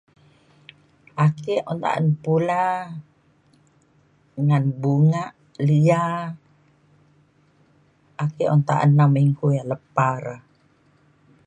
ake un ta’an pula ngan bungak lia ake un ta’an nam minggu yang lepa re